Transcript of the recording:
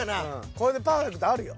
これでパーフェクトあるよ。